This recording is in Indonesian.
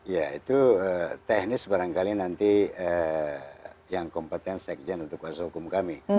ya itu teknis barangkali nanti yang kompeten sekjen untuk kuasa hukum kami